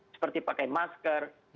seperti pakai masker